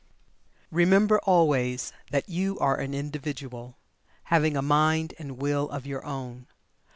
Remember always that YOU are an Individual, having a mind and Will of your own.